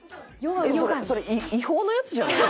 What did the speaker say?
それ違法のやつじゃないの？